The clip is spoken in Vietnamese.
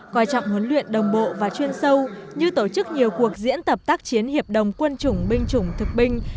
coi trọng huấn luyện đồng bộ và chuyên sâu như tổ chức nhiều cuộc diễn tập tác chiến hiệp đồng quân chủng binh chủng thực binh